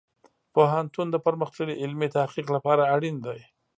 پوهنتون د پرمختللې علمي تحقیق لپاره اړین دی.